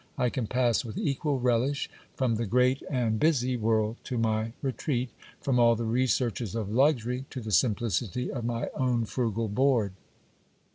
I can pass with equal relish from the great and busy world to my re treat, from all the researches of luxury to the simplicity of my own frugal board.